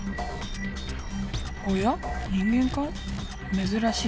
おや人間かい。